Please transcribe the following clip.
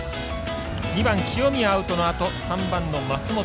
２番清宮アウトのあと３番の松本。